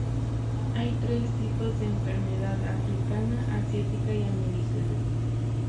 Hay tres tipos de enfermedad, africana, asiática y americana.